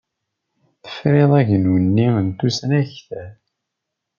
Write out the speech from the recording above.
Tefriḍ agnu-nni n tusnakt?